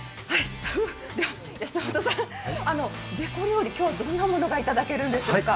安本さん、ベコ料理、今日はどんなものがいただけるのでしょうか？